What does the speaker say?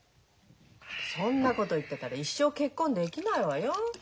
そんなこと言ってたら一生結婚できないわよ。